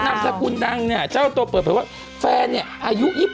นามสกุลดังเนี่ยเจ้าตัวเปิดเผยว่าแฟนเนี่ยอายุ๒๒